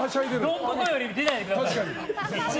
ドンココより出ないでください。